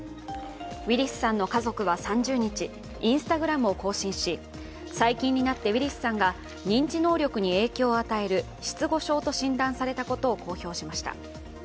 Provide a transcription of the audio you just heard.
ウィリスさんの家族は３０日Ｉｎｓｔａｇｒａｍを更新し最近になってウィリスさんが認知能力に影響を与える失語症と診断されたことを公表しました。